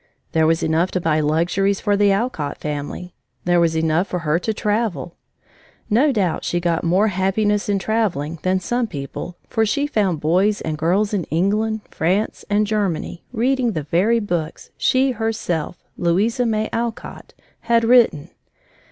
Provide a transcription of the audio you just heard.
There was enough to buy luxuries for the Alcott family there was enough for her to travel. No doubt she got more happiness in traveling than some people, for she found boys and girls in England, France, and Germany reading the very books she herself, Louisa May Alcott, had written.